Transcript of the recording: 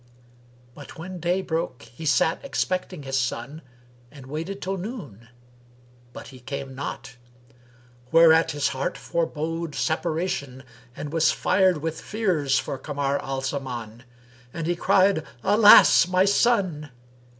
Anc when day broke he sat expecting his son and waited till noon, but he came not; whereat his heart forebode separation and was fired with fears for Kamar al Zaman; and he cried, "Alas! my son!"